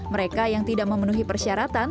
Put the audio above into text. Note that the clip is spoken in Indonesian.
mereka yang tidak memenuhi persyaratan